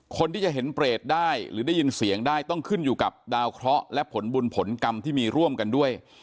คนที่จะเห็นเปรตได้หรือได้ยินเสียงได้ต้องขึ้นอยู่กับดาวเคราะห์และผลบุญผลกรรมที่มีร่วมกันด้วย